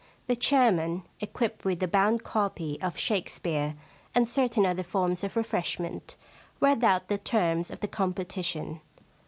The chairman, equipped with a bound copy of Shakespeare, and certain other forms of refreshment, read out the terms of the competition.